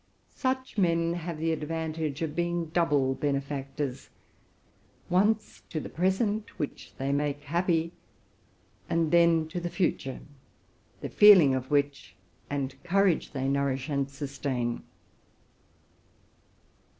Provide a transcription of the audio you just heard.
Such men have the advantage of being double benefactors : once to the present, which they make happy; and then to the future, the feeling of which and courage they nourish and sustain.